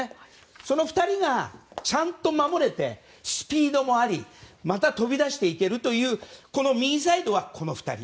その２人がちゃんと守れてスピードもありまた、飛び出していけるというこの右サイドはこの２人。